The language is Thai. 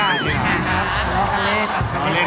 เอ้าเล่น